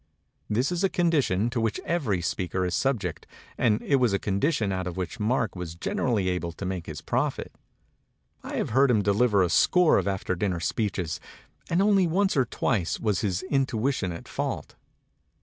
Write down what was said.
This is a condition to which every speaker is subject; and it was a condition out of which Mark was gen erally able to make his profit. I have heard him deliver a score of after dinner speeches; and 273 MEMORIES OF MARK TWAIN only once or twice was his intuition at fault.